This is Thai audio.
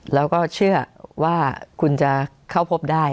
แล้วก็เชื่อว่าคุณจะเข้าพบได้